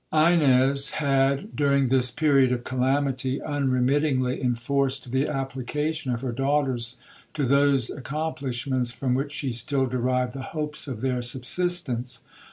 'Ines had, during this period of calamity, unremittingly enforced the application of her daughters to those accomplishments from which she still derived the hopes of their subsistence.